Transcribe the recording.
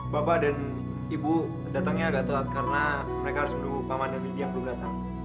bapak dan ibu datangnya agak telat karena mereka harus berdua paman dan lidi yang belum datang